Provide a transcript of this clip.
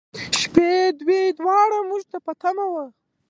شپې، دوی دواړه موږ ته په تمه و.